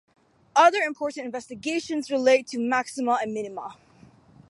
Other important investigations relate to maxima and minima.